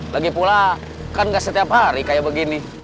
lagipula kan nggak setiap hari kayak begini